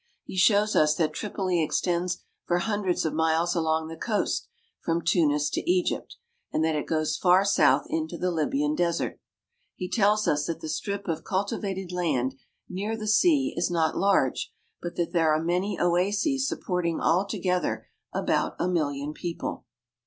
He shows us that Tripoli extends for hundreds of miles along the coast from Tunis to Egypt, and that it goes far south into the Libyan Desert. He tells us that the strip of cultivated land near the sea is not large, but that there are many oases supporting all together about a million people.